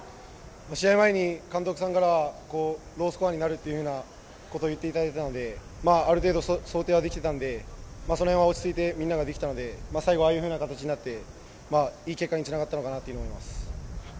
試合前に監督さんからはロースコアになるっていうふうなことは言っていただいていたのである程度、想定はできてたんでその辺は、落ち着いてみんなができたので最後、ああいうふうな形になっていい結果につながったのかなっていうふうに思います。